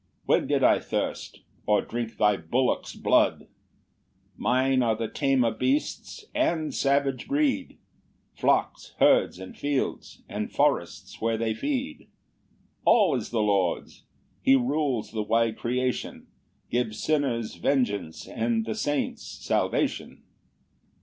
"When did I thirst, or drink thy bullocks blood? "Mine are the tamer beasts and savage breed, "Flocks, herds, and fields, and forests where they feed:" All is the Lord's; he rules the wide creation: Gives sinners vengeance, and the saints salvation.